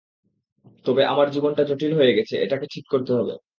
তবে আমার জীবনটা জটিল হয়ে গেছে, এটাকে ঠিক করতে হবে।